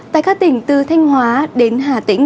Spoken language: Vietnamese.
tại các tỉnh từ thanh hóa đến hà tĩnh